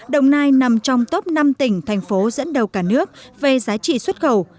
đồng nai nằm trong top năm tỉnh thành phố dẫn đầu cả nước về giá trị xuất khẩu